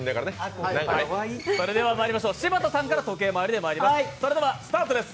柴田さんから時計回りでいきます。